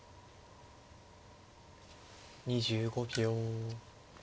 ２５秒。